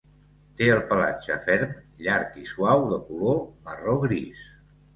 Té el pelatge ferm, llarg i suau de color marró-gris.